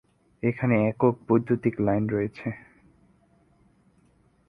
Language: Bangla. এখানে একক বৈদ্যুতিক লাইন রয়েছে।